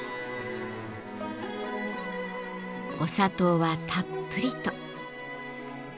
お砂糖はたっぷりと。